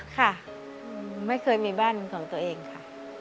ค่ะไม่เคยมีบ้านของตัวเองค่ะ